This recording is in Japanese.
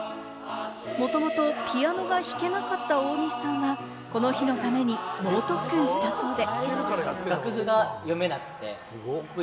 もともとピアノが弾けなかった大西さんはこの日のために猛特訓したそうで。